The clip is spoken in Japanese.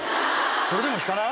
それでも引かない？